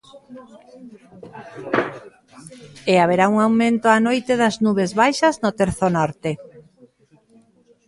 E haberá un aumento á noite das nubes baixas no terzo norte.